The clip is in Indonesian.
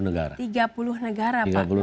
tiga puluh negara pak